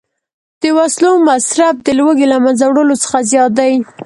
د وسلو مصرف د لوږې له منځه وړلو څخه زیات دی